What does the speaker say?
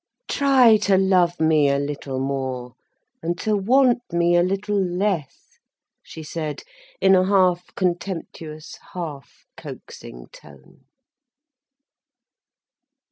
"Try to love me a little more, and to want me a little less," she said, in a half contemptuous, half coaxing tone.